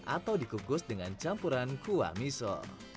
atau dikukus dengan campuran kuah miso